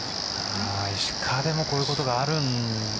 石川でもこういうことがあるんですね。